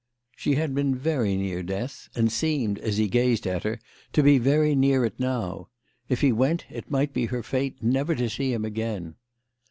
She had been very near death, and seemed, as he gazed at her, to be very near it now. If he went it might be her fate never to see him again.